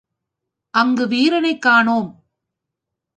அங்கு வீரனைக் காணோம்!